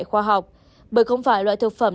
khoa học bởi không phải loại thực phẩm